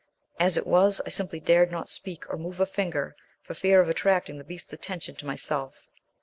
As it was, I simply dared not speak or move a finger for fear of attracting the beast's attention to myself.